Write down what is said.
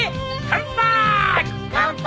乾杯！